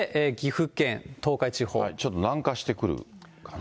ちょっと南下してくるかな。